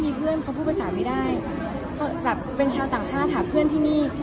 แบบเป็นชาวต่างชาติหาเพื่อนที่มี